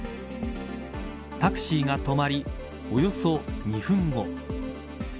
タクシーが止まりおよそ２分後。